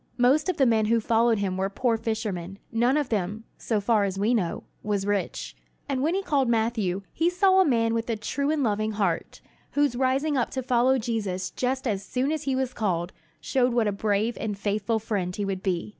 Most of the men who followed him were poor fishermen. None of them, so far as we know, was rich. And when he called Matthew he saw a man with a true and loving heart, whose rising up to follow Jesus just as soon as he was called showed what a brave and faithful friend he would be.